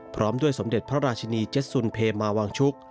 พร้อมด้วยสมเด็จพระราชินีเจ็ดสุนเพมาวางชุก